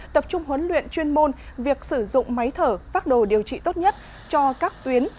tập trung huấn luyện chuyên môn việc sử dụng máy thở phát đồ điều trị tốt nhất cho các tuyến